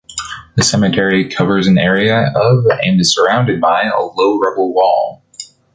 The cemetery covers an area of and is surrounded by a low rubble wall.